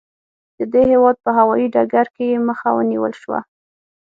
د دې هېواد په هوايي ډګر کې یې مخه ونیول شوه.